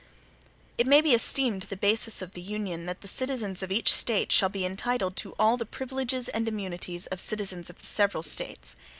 It may be esteemed the basis of the Union, that "the citizens of each State shall be entitled to all the privileges and immunities of citizens of the several States."